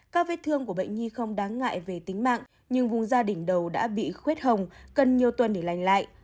các vết thương của bệnh nhi không đáng ngại về tính mạng nhưng vùng da đỉnh đầu đã bị khuết hồng cần nhiều tuần để lành lại